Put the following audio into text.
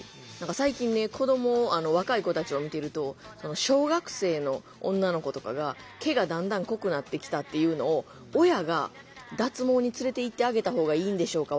最近ね若い子たちを見てると小学生の女の子とかが毛がだんだん濃くなってきたっていうのを親が「脱毛に連れていってあげた方がいいんでしょうか。